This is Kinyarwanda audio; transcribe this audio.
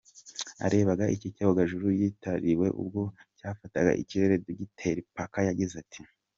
Arebaga iki cyogajuru yitiriwe ubwo cyafataga ikirere, Dogiteri Parker yagize ati:.